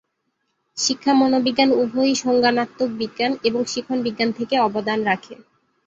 শিক্ষা মনোবিজ্ঞান উভয়ই সংজ্ঞানাত্মক বিজ্ঞান এবং শিখন বিজ্ঞান থেকে অবদান রাখে।